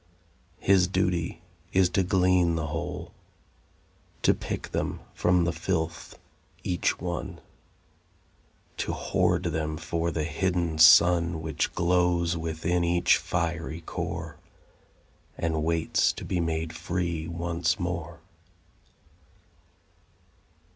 His duty is to glean the whole, To pick them from the filth, each one, To hoard them for the hidden sun Which glows within each fiery core And waits to be made free once more.